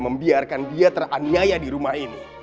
membiarkan dia teraniaya di rumah ini